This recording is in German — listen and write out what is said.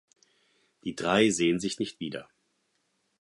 Die drei sehen sich nicht wieder.